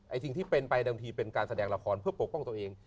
สิ่งที่เป็นไปเดิมทีเป็นการแสดงละครเพื่อปกป้องตัวเอง